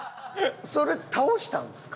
それ倒したんすか？